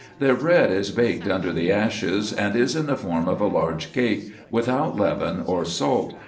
Their bread is baked under the ashes, and is in the form of a large cake, without leaven or salt.